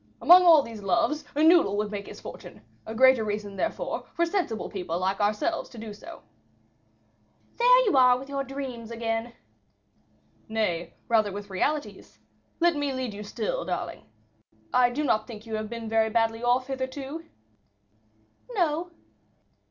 Among all these loves, a noodle would make his fortune: a greater reason, therefore, for sensible people like ourselves to do so." "There you are with your dreams again." "Nay, rather with realities. Let me still lead you, darling. I do not think you have been very badly off hitherto?" "No."